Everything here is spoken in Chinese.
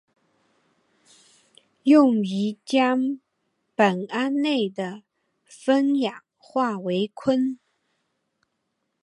用于将苯胺类和酚氧化为醌。